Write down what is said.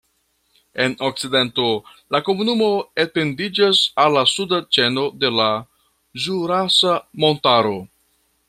En okcidento la komunumo etendiĝas al la suda ĉeno de la Ĵurasa Montaro.